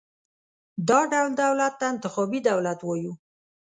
دا ډول دولت ته انتخابي دولت وایو.